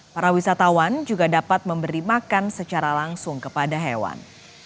para wisatawan juga dapat memberi makan secara langsung kepada hewan